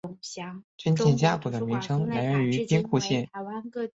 军舰加古的名称来源于兵库县的。